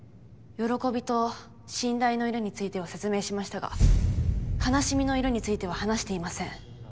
「喜び」と「信頼」の色については説明しましたが「悲しみ」の色については話していません。